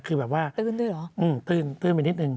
อืมตื้นตื้นไปนิดนึง